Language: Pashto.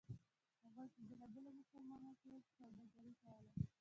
هغوی په بېلابېلو موسمونو کې سوداګري کوله